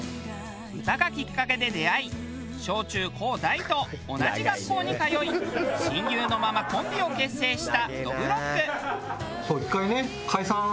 歌がきっかけで出会い小中高大と同じ学校に通い親友のままコンビを結成したどぶろっく。